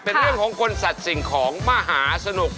เป็นเรื่องของคนสัตว์สิ่งของมหาสนุก